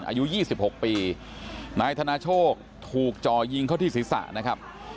อายุ๒๖ปีนายธนโชคถูกจอยิงเขาที่ศิษย์ศาสตร์นะครับ